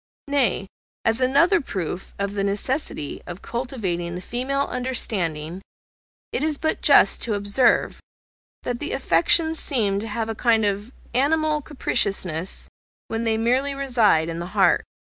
Nay, as another proof of the necessity of cultivating the female understanding, it is but just to observe, that the affections seem to have a kind of animal capriciousness when they merely reside in the heart.